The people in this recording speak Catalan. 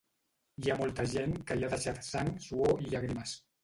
Hi ha molta gent que hi ha deixat sang, suor i llàgrimes.